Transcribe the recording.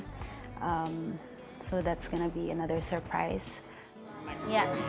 jadi itu akan menjadi satu satunya kejutan